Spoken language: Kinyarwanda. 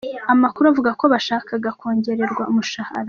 Amakuru avuga ko bashakaga kongererwa umushahara.